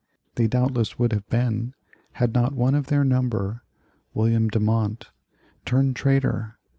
They doubtless would have been had not one of their number, William Demont, turned traitor.